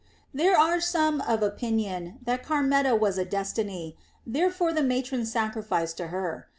There are some of opinion that Carmenta was a Destiny, therefore the matrons sacrifice to her.